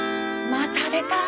また出た。